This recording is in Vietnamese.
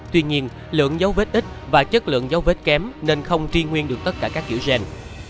tuy nhiên lượng dấu vết ít và chất lượng dấu vết kém nên không tri nguyên được tất cả các kiểu gen